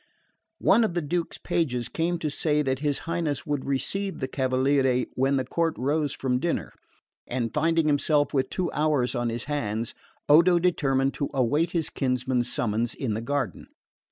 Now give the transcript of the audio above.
One of the Duke's pages came to say that his Highness would receive the cavaliere when the court rose from dinner; and finding himself with two hours on his hands, Odo determined to await his kinsman's summons in the garden.